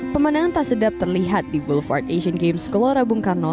pemandangan tak sedap terlihat di bulvard asian games kelora bung karno